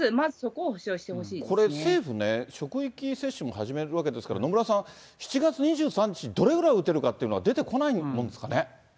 これ、政府ね、職域接種も始めるわけですから、野村さん、７月２３日にどれぐらい打てるかっていうのは出てこないもんですかね。